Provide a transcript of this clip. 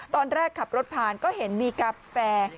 ตอนแรกขับรถผ่านก็เห็นมีกาแฟ